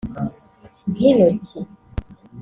nk’intoki